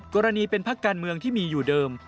กรณีเป็นพักการเมืองที่มีอยู่เดิม